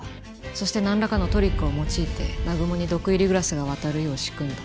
そしてなんらかのトリックを用いて南雲に毒入りグラスが渡るよう仕組んだ。